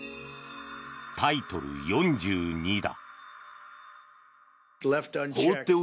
タイトル４２だ。